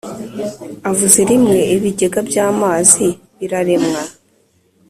avuze rimwe, ibigega by’amazi biraremwa.